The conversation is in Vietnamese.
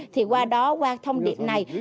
thì qua đó qua thông điệp này